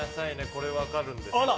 これは分かるんです。